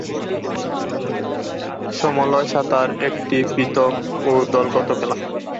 সমলয় সাঁতার একটি পৃথক এবং দলগত খেলা।